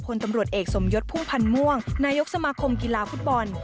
พลตำรวจเอกสมยศพุ่มพันธ์ม่วงนายกสมาคมกีฬาฟุตบอล